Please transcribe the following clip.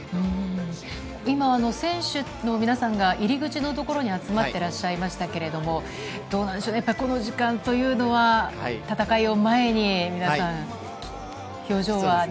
今、選手の皆さんが入り口のところに集まっていらっしゃいましたけれども、この時間は戦いを前に皆さん表情は。